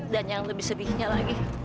yang lebih sedihnya lagi